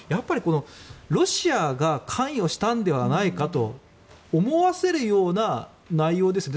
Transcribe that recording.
ロシアが関与したのではないかと思わせるような内容ですよね。